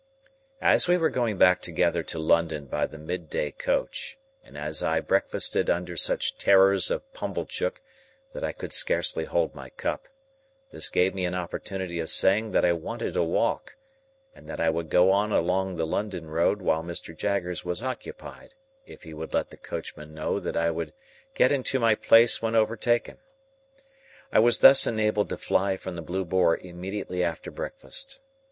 As we were going back together to London by the midday coach, and as I breakfasted under such terrors of Pumblechook that I could scarcely hold my cup, this gave me an opportunity of saying that I wanted a walk, and that I would go on along the London road while Mr. Jaggers was occupied, if he would let the coachman know that I would get into my place when overtaken. I was thus enabled to fly from the Blue Boar immediately after breakfast.